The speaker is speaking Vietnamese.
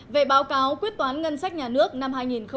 về báo cáo quyết toán ngân sách nhà nước năm hai nghìn một mươi bảy